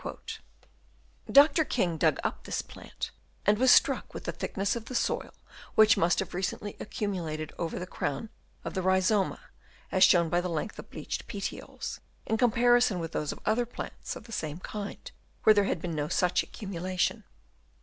Dr. King dug up this plant, and was struck with the thickness of the soil which must have recently accumulated over the crown of the rhizoma, as shown by the length of the Chap. VI. LEDGES ON HILL SIDES. 281 bleached petioles, in comparison with those of other plants of the same kind, where there had been no such accumulation.